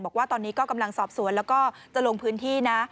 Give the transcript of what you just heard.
บอกว่าตอนนี้ก็กำลังสอบสวนแล้วก็จะลงพื้นที่นะ